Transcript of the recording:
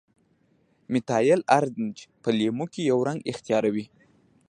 میتایل ارنج په لیمو کې یو رنګ اختیاروي.